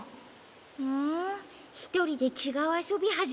ふんひとりでちがうあそびはじめちゃってたの？